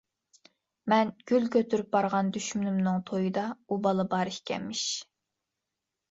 مەن گۈل كۆتۈرۈپ بارغان دۈشمىنىمنىڭ تويىدا ئۇ بالا بار ئىكەنمىش.